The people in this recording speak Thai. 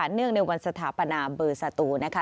เนื่องในวันสถาปนาเบอร์สตูนะคะ